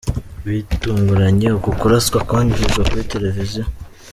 Bitunguranye, uku kuraswa kwanyujijwe kuri televiziyo.